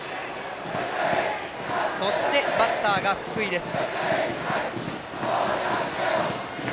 そしてバッターが福井です。